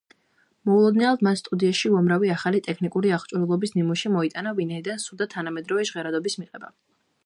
მოულოდნელად მან სტუდიაში უამრავი ახალი ტექნიკური აღჭურვილობის ნიმუში მოიტანა, ვინაიდან სურდა თანამედროვე ჟღერადობის მიღება.